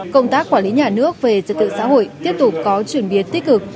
công tác quản lý nhà nước về trật tự xã hội tiếp tục có chuyển biến tích cực